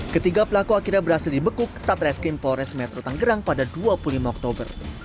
ketiga pelaku akhirnya berhasil dibekuk satreskrim polres metro tanggerang pada dua puluh lima oktober